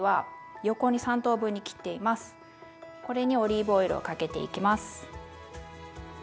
これにオリーブオイルをかけていきます。